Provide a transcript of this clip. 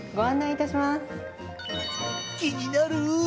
気になる！